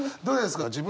どうですか？